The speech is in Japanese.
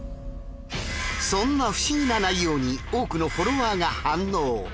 そんな不思議な内容に多くのフォロワーが反応。